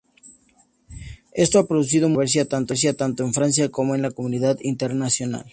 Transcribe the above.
Esto ha producido mucha controversia tanto en Francia como en la comunidad internacional.